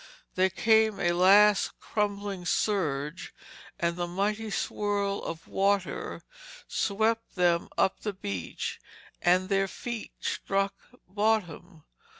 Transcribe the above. There came a last crumbling surge and the mighty swirl of water swept them up the beach and their feet struck bottom.